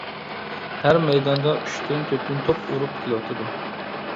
ھەر مەيداندا ئۈچتىن تۆتتىن توپ ئۇرۇپ كېلىۋاتىدۇ.